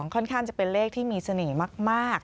ค่อนข้างจะเป็นเลขที่มีเสน่ห์มาก